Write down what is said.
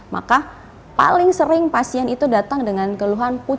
maka paling sering pasien itu datang dengan keluhan